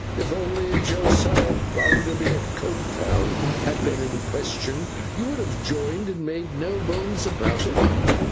'If only Josiah Bounderby of Coketown had been in question, you would have joined and made no bones about it?